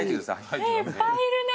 いっぱいいるね。